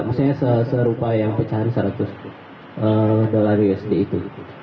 maksudnya serupa yang pecahan seratus dolar usd itu